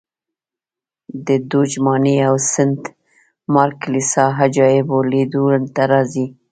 د دوج ماڼۍ او سنټ مارک کلیسا عجایبو لیدو ته راځي